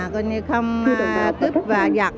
cô như không cướp và giặt